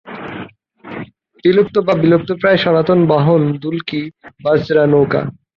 বিলুপ্ত বা বিলুপ্তপ্রায় সনাতন বাহন দুলকি, বজরা নৌকা।